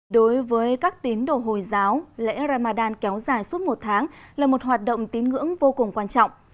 đối với các tín đồ hồi giáo lễ ramadan kéo dài suốt một tháng là một hoạt động tín ngưỡng vô cùng quan trọng